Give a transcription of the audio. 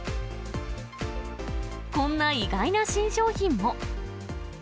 こんな意外な新商品も。